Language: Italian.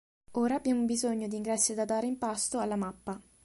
Ora abbiamo bisogno d'ingressi da dare in pasto alla mappa.